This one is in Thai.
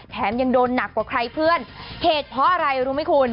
ยังโดนหนักกว่าใครเพื่อนเหตุเพราะอะไรรู้ไหมคุณ